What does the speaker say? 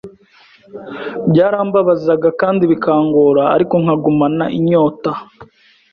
byarambabazaga kandi bikangora ariko nkagumana inyota